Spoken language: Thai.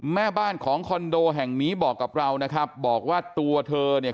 แม่บ้านของคอนโดแห่งนี้บอกกับเรานะครับบอกว่าตัวเธอเนี่ย